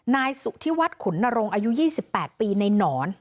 นายสุธิวัฒน์ขุนนรงค์อายุ๒๘ปีในหนอน